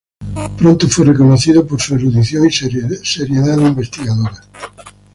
Pronto fue reconocido por su erudición y seriedad investigadora.